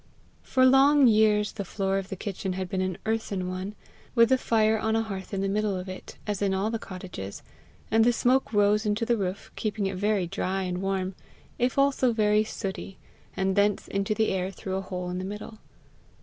For long years the floor of the kitchen had been an earthen one, with the fire on a hearth in the middle of it, as in all the cottages; and the smoke rose into the roof, keeping it very dry and warm, if also very sooty, and thence into the air through a hole in the middle.